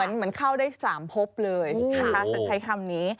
เหมือนเข้าได้๓พบเลยนะคะจะใช้คำนี้